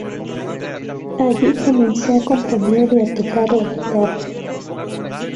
Allí comenzó a componer y a tocar la guitarra.